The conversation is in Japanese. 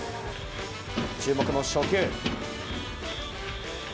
注目の初球。